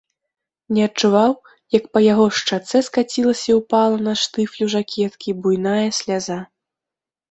Не адчуваў, як па яго шчацэ скацілася і ўпала на штрыфлю жакеткі буйная сляза.